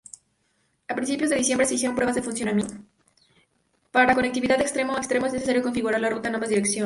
Para conectividad de extremo a extremo, es necesario configurar la ruta en ambas direcciones.